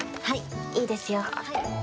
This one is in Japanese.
はいいいですよ。